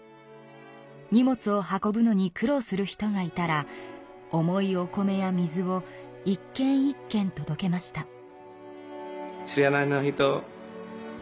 荷物を運ぶのに苦労する人がいたら重いお米や水をいっけんいっけんとどけました。